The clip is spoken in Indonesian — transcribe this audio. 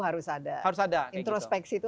harus ada harus ada introspeksi itu